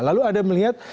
lalu ada melihat